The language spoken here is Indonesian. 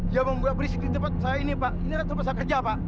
dia mau berisik di tempat saya ini pak ini kan terpaksa kerja pak